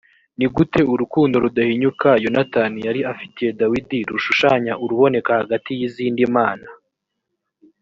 ni gute urukundo rudahinyuka yonatani yari afitiye dawidi rushushanya uruboneka hagati y’izindi mana